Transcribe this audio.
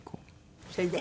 それで？